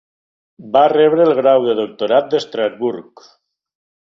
Va rebre el Grau de Doctorat d'Estrasburg.